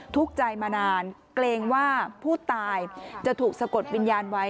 ทุกข์ใจมานานเกรงว่าผู้ตายจะถูกสะกดวิญญาณไว้